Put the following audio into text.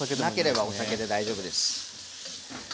なければお酒で大丈夫です。